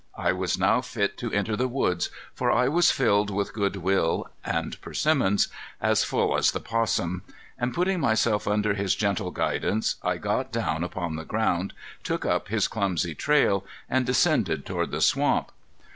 I was now fit to enter the woods, for I was filled with good will and persimmons, as full as the 'possum; and putting myself under his gentle guidance, I got down upon the ground, took up his clumsy trail, and descended toward the swamp.